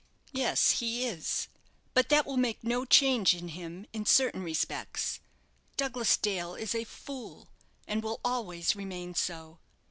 "Yes, he is but that will make no change in him in certain respects. Douglas Dale is a fool, and will always remain so.